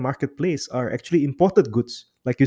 sebenarnya adalah produk yang dipotong